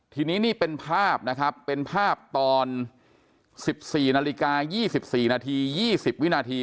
ทีนี้นี่เป็นภาพนะครับเป็นภาพตอน๑๔๒๔น๒๐วินาที